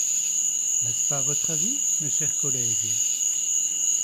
N’est-ce pas votre avis, mes chers collègues?